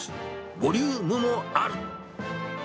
ボリュームもある。